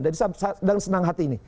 dan senang hati ini